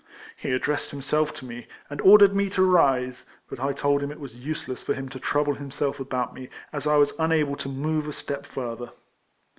He addressed him self to me, and ordered me to rise ; but I told him it was useless for him to trouble himself about me, as I was unable to move a step further.